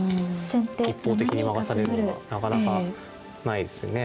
一方的に負かされるのはなかなかないですよね。